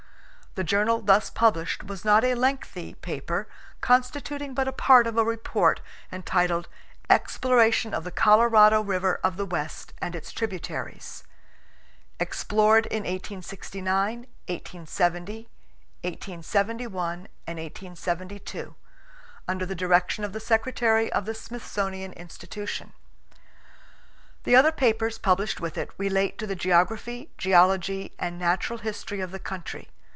The journal thus published was not a lengthy paper, constituting but a part of a report entitled "Exploration of the Colorado River of the West and its Tributaries. Explored in 1869, 1870, 1871, and 1872, under the direction of the Secretary of the Smithsonian Institution." The other papers published with it relate to the geography, geology, and natural history of the country.